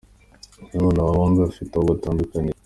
Nanone aba bombi bafite aho batandukaniye.